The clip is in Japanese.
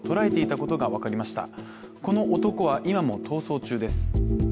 この男は今も逃走中です。